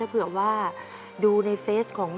แต่ที่แม่ก็รักลูกมากทั้งสองคน